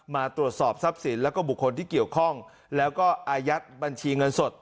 มาตรวจสอบทรัพย์สินแล้วก็บุคคลที่เกี่ยวข้องแล้วก็อายัดบัญชีเงินสด